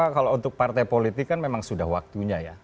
kalau untuk partai politik kan memang sudah waktunya ya